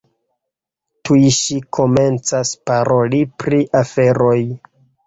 Tuj ŝi komencas paroli pri aferoj.